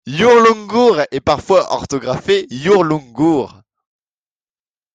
Yurlungur est parfois orthographié Yurlunggur.